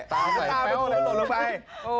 ตาประทูลงไป